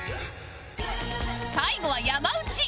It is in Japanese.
最後は山内